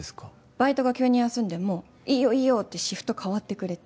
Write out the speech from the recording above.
バイトが急に休んでもいいよいいよってシフト代わってくれて。